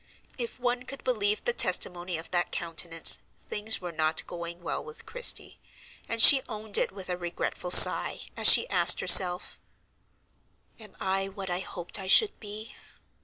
If one could believe the testimony of that countenance things were not going well with Christie, and she owned it with a regretful sigh, as she asked herself, "Am I what I hoped I should be?